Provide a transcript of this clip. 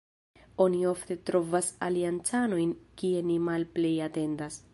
Oni ofte trovas aliancanojn kie ni malplej atendas.